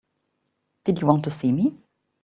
Did you want to see me?